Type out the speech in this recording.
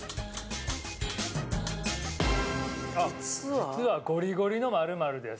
実はゴリゴリの○○です。